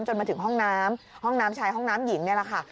จนถึงห้องน้ำห้องน้ำชายห้องน้ำหญิงนี่แหละค่ะ